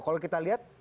kalau kita lihat